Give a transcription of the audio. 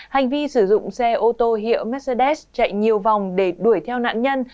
hành vi sử dụng xe ô tô hiệu mercedes chạy nhiều vòng để đuổi theo nạn nhân